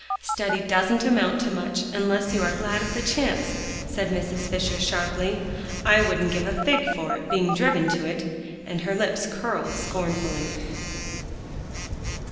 "Study doesn't amount to much unless you are glad of the chance," said Mrs. Fisher sharply. "I wouldn't give a fig for it, being driven to it," and her lips curled scornfully.